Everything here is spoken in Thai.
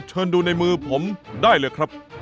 เชิญดูในมือผมได้เลยครับ